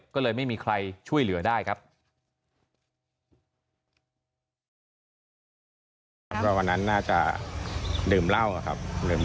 ก็เลยไม่มีใครช่วยเหลือได้ครับ